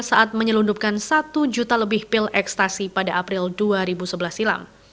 saat menyelundupkan satu juta lebih pil ekstasi pada april dua ribu sebelas silam